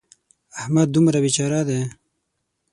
احمد دومره بې چاره دی.